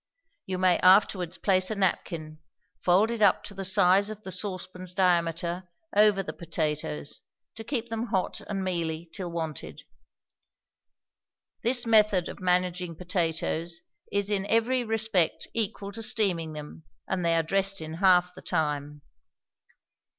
You may afterwards place a napkin, folded up to the size of the saucepan's diameter, over the potatoes, to keep them hot and mealy till wanted. This method of managing potatoes is in every respect equal to steaming them, and they are dressed in half the time.